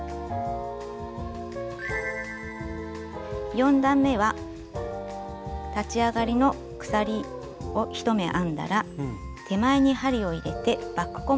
４段めは立ち上がりの鎖を１目編んだら手前に針を入れてバック細編みを編みます。